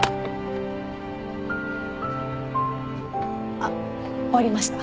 あっ終わりました。